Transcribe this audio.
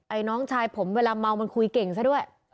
น้องชายผมเวลาเมามันคุยเก่งซะด้วย